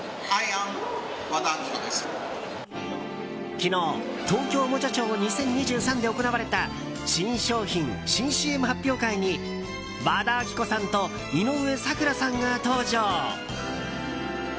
昨日東京おもちゃショー２０２３で行われた新商品・新ＣＭ発表会に和田アキ子さんと井上咲楽さんが登場。